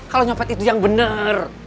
kalau nyopet itu yang benar